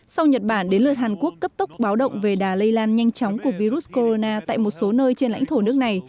sau nhật bản đến lượt hàn quốc cấp tốc báo động về đà lây lan nhanh chóng của virus corona tại một số nơi trên lãnh thổ nước này